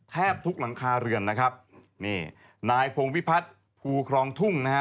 แทบทุกหลังคาเรือนนะครับนี่นายพงพิพัฒน์ภูครองทุ่งนะฮะ